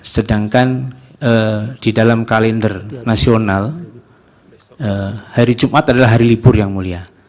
sedangkan di dalam kalender nasional hari jumat adalah hari libur yang mulia